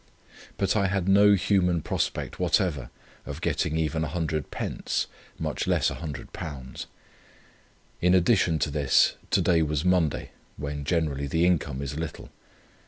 "But I had no human prospect whatever of getting even 100 pence, much less £100. In addition to this, to day was Monday, when generally the income is little.